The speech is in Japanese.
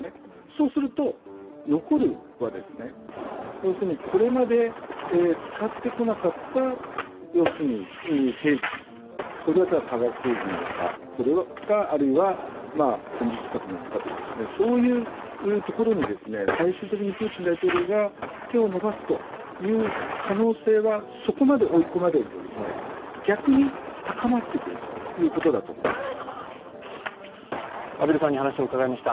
そうすると、残るはこれまで使ってこなかった兵器、化学兵器なのか、あるいは戦術核なのか、そういうところに最終的にプーチン大統領が手を伸ばすという可能性は、そこまで追い込まれると逆に高まってくるというところだと思います。